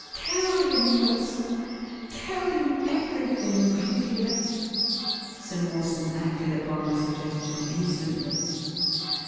Tell him, Mawson tell him everything, my dear." Sir Mawson acted upon the suggestion instantly.